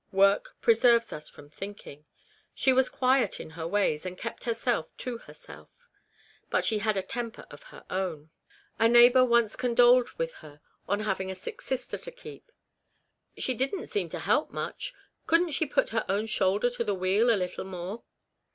Work preserves us from thinking. She was quiet in her ways, and kept herself to herself ; but she had a temper of her own. A neigh REBECCA'S REMORSE. 217 hour once condoled with her on having a sick sister to keep. " She didn't seem to help much ; couldn't she put her own shoulder to the wheel a little more